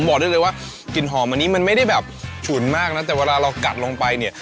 บอกได้เลยว่ากลิ่นหอมอันนี้มันไม่ได้แบบฉุนมากนะแต่เวลาเรากัดลงไปเนี่ย